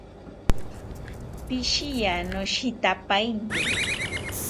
Pishiya, noshitapainte